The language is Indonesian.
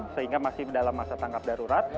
sehingga masih dalam masa tangkap darurat